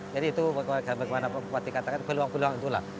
jadi itu bagaimana pak bupati katakan peluang peluang itulah